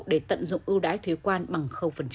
để tận dụng ưu đãi thuế quan bằng